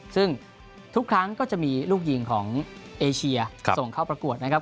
ซึ่งทุกครั้งก็จะมีลูกยิงของเอเชียส่งเข้าประกวดนะครับ